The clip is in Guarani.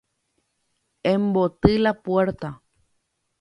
Emboty la puerta.